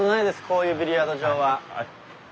こういうビリヤード場は。